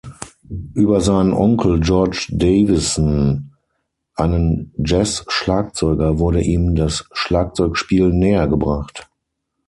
Über seinen Onkel George Davison, einen Jazz-Schlagzeuger, wurde ihm das Schlagzeugspielen näher gebracht.